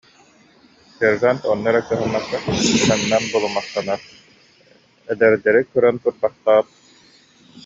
Сержант онно эрэ кыһаммакка, таҥнан булумахтанар «эдэрдэри» көрөн турбахтаат: